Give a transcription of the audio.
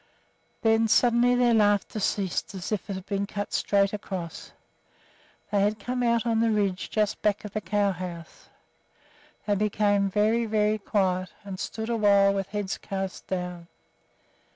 Then suddenly their laughter ceased as if it had been cut straight across, they had come out on the ridge just back of the cow house. They became very, very quiet, and stood awhile with heads cast down.